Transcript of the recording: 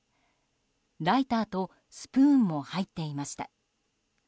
ライターとスプーンも入っていました。